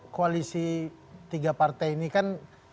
koalisi tiga partai ini kan